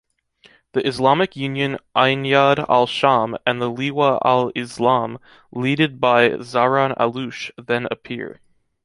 The Islamic Union Ajnad al-Sham and the Liwa al-Islam, leaded by Zahran Alloush, then appear.